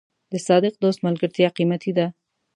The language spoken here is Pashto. د صادق دوست ملګرتیا قیمتي ده.